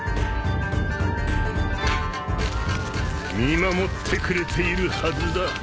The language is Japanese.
見守ってくれているはずだ。